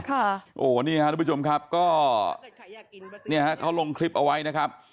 โอ้โหนี่ฮะทุกผู้ชมครับก็เนี่ยฮะเขาลงคลิปเอาไว้นะครับ